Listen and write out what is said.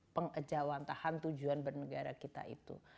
pengejauhan tahan tujuan bernegara kita itu